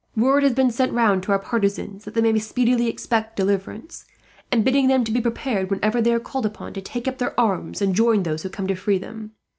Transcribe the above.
Word has been sent round to our partisans that they may speedily expect deliverance; and bidding them be prepared, whenever they are called upon, to take up their arms and join those who come to free them.